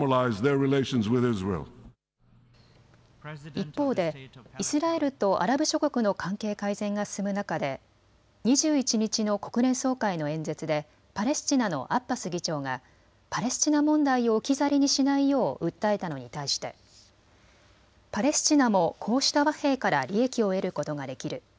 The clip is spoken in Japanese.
一方でイスラエルとアラブ諸国の関係改善が進む中で２１日の国連総会の演説でパレスチナのアッバス議長がパレスチナ問題を置き去りにしないよう訴えたのに対してパレスチナもこうした和平から利益を得ることができる。